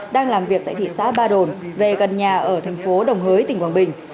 đang làm việc tại thị xã ba đồn về gần nhà ở thành phố đồng hới tỉnh quảng bình